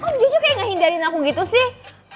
kok jujuknya ga hindarin aku gitu sih